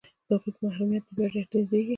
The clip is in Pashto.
د هغوی په محرومیت دې زړه دردیږي